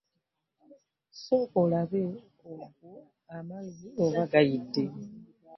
Sooka alabe agwo amazzi oba gayide.